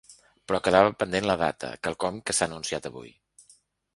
Però quedava pendent la data, quelcom que s’ha anunciat avui.